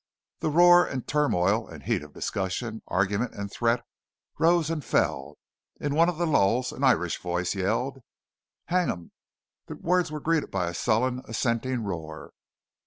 The roar and turmoil and heat of discussion, argument, and threat rose and fell. In one of the lulls an Irish voice yelled: "Hang them!" The words were greeted by a sullen assenting roar.